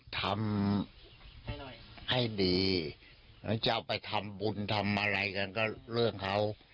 ทำให้ดีแล้วจะเอาไปทำบุญทำอะไรกันก็เรื่องเขา